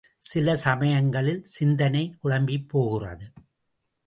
சில சமயங்களில் சிந்தனை குழம்பிப் போகிறது.